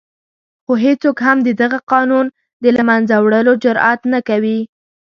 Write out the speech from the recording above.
خو هېڅوک هم د دغه قانون د له منځه وړلو جرآت نه کوي.